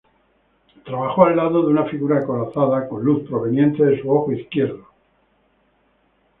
Trabajó al lado de una figura acorazada, con luz proveniente de su ojo izquierdo.